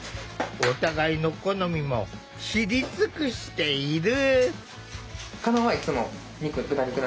お互いの好みも知り尽くしている。